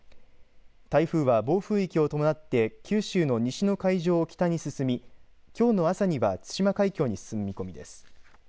台風は暴風域を伴って九州の西の海上を北に進みきょうの朝には対馬海峡に進む見込みです。